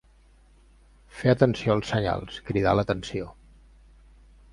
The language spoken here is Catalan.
Fer atenció als senyals, cridar l'atenció.